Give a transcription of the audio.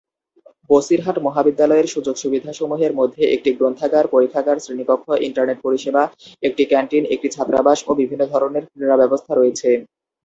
বসিরহাট মহাবিদ্যালয়ের সুযোগ-সুবিধাসমূহের মধ্যে একটি গ্রন্থাগার, পরীক্ষাগার, শ্রেণিকক্ষ, ইন্টারনেট পরিষেবা, একটি ক্যান্টিন, একটি ছাত্রাবাস ও বিভিন্ন ধরণের ক্রীড়া ব্যবস্থা রয়েছে।